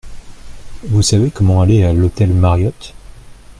Vous savez comment aller à l’hôtel Mariott ?